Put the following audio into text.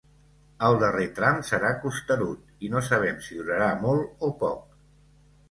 El darrer tram serà costerut i no sabem si durarà molt o poc.